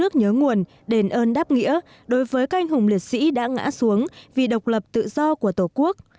cõi thiêng đồng lộc